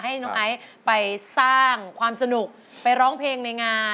ให้น้องไอซ์ไปสร้างความสนุกไปร้องเพลงในงาน